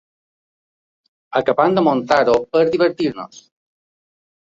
Acabem de muntar-ho per divertir-nos.